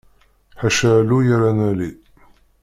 Ḥaca alluy ara nali.